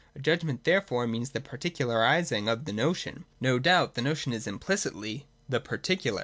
A judgment therefore means the particularising of the notion. No doubt the notion is implicitly the particular.